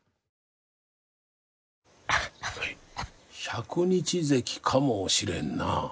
百日ぜきかもしれんな。